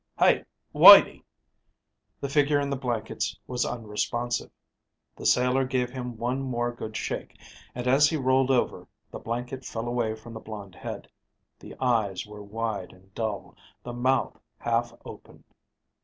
"Hey, Whitey." The figure in the blankets was unresponsive. The sailor gave him one more good shake, and as he rolled over, the blanket fell away from the blond head. The eyes were wide and dull, the mouth half open.